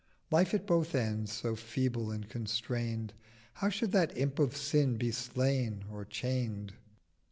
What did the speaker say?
Life at both ends so feeble and constrain'd How should that Imp of Sin be slain or chain'd?